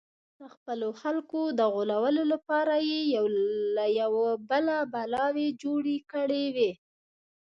د خپلو خلکو د غولولو لپاره یې له یوه بله بلاوې جوړې کړې وې.